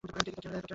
তোকে আর এই মাগীকে!